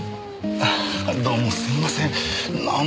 あどうもすいません。